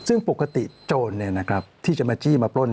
ซึ่งปกติโจรที่จะมาจี้มาปล้น